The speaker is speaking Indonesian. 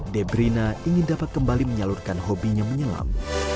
deep rina ingin dapat kembali menyalurkan hobinya menyelam